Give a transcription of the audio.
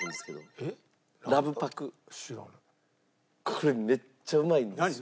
これめっちゃうまいんですよ。